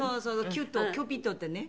キュートキューピッドってね。